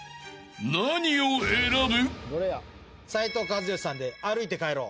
［何を選ぶ？］